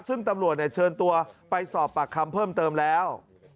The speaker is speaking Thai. ซึ่งตำรวจเชิญตัวไปสอบปากคำเพิ่มเติมแล้ว